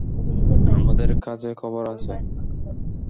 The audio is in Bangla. আমাদের কাছে খবর আছে।